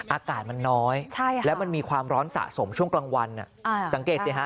อากาศมันน้อยแล้วมันมีความร้อนสะสมช่วงกลางวันสังเกตสิฮะ